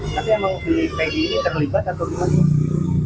tapi yang mau pilih peggy ini terlibat atau gimana sih